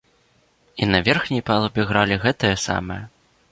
І на верхняй палубе гралі гэтае самае.